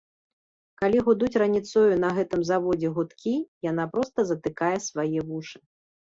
Калі гудуць раніцою на гэтым заводзе гудкі, яна проста затыкае свае вушы.